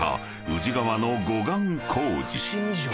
宇治川の護岸工事］